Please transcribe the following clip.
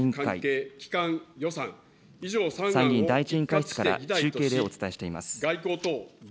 参議院予算委員会、参議院第１委員会室から、中継でお伝えしています。